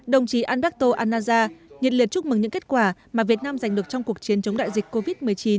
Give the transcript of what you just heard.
đồng chí alberto anaja nhiệt liệt chúc mừng những kết quả mà việt nam giành được trong cuộc chiến chống đại dịch covid một mươi chín